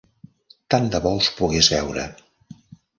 Tant de bo us pogués veure.